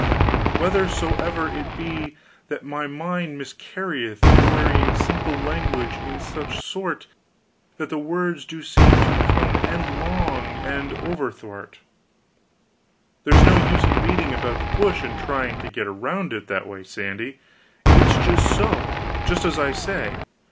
"Whethersoever it be that my mind miscarrieth, bewraying simple language in such sort that the words do seem to come endlong and overthwart " "There's no use in beating about the bush and trying to get around it that way, Sandy, it's so, just as I say.